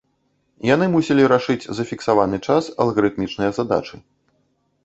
Яны мусілі рашыць за фіксаваны час алгарытмічныя задачы.